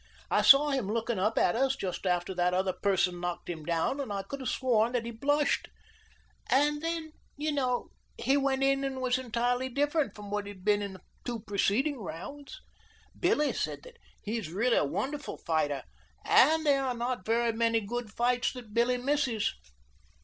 I saw him looking up at us just after that other person knocked him down and I could have sworn that he blushed. And then, you know, he went in and was entirely different from what he had been in the two preceding rounds. Billy said that he is really a wonderful fighter, and there are not very many good fights that Billy misses.